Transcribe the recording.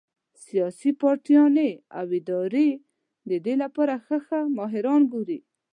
سياسي پارټيانې او ادارې د دې د پاره ښۀ ښۀ ماهران ګوري